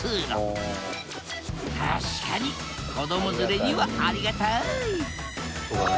確かに子ども連れにはありがたい！